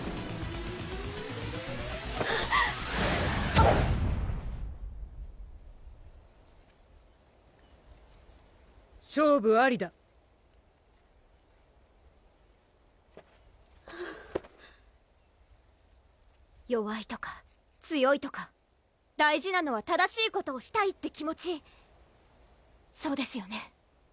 あっ勝負ありだ弱いとか強いとか大事なのは正しいことをしたいって気持ちそうですよね？